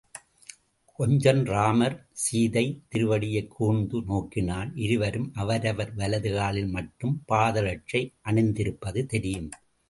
கொஞ்சம் ராமர் சீதை திருவடியைக் கூர்ந்து நோக்கினால், இருவரும் அவரவர் வலது காலில் மட்டும் பாதரட்சை அணிந்திருப்பது தெரியும்.